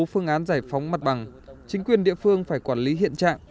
phương án giải phóng mặt bằng chính quyền địa phương phải quản lý hiện trạng